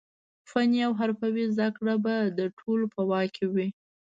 فني او حرفوي زده کړې به د ټولو په واک کې وي.